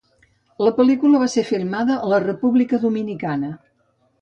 La pel·lícula va ser filmada a República Dominicana.